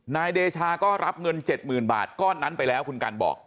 นายเดชาก็รับเงินเจ็ดหมื่นบาทก็นั้นไปแล้วคุณกัลบอก